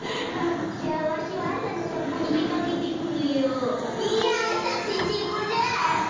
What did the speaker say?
じゃあわしはあさのさんぽにでかけてくるよ。やさくせんせいこうだ！